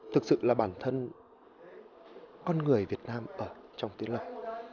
thực sự là bản thân con người việt nam ở trong tiến lộc